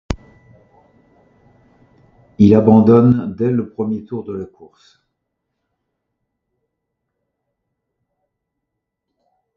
Il abandonne dès le premier tour de la course.